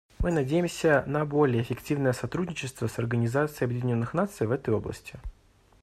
Мы надеемся на более эффективное сотрудничество с Организацией Объединенных Наций в этой области.